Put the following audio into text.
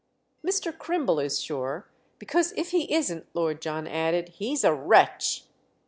"Mr. Crimble is sure—because if he isn't," Lord John added, "he's a wretch."